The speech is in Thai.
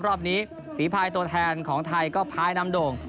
รอบนี้ฝีภายตัวแทนของไทยก็พ้ายนำโด่ง